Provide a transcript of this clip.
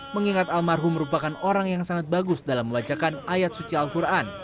mengingat almarhum merupakan orang yang sangat bagus dalam membacakan ayat suci al quran